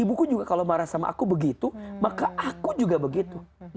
ibuku juga kalau marah sama aku begitu maka aku juga begitu